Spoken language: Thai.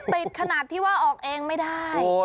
ติดขนาดที่ว่าออกเองไม่ได้